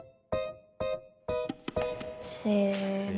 せの。